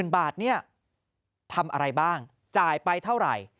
๐บาทเนี่ยทำอะไรบ้างจ่ายไปเท่าไหร่